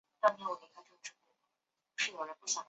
他的许多兄长却只承认自己仅是非裔美国人。